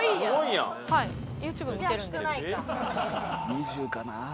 ２０かな。